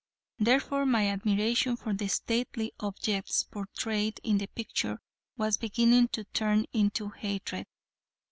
Therefore my admiration for the stately objects portrayed in the picture was beginning to turn into hatred.